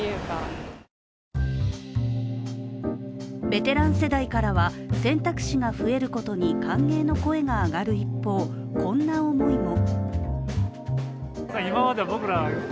ベテラン世代からは選択肢が増えることに歓迎の声が上がる一方、こんな思いも。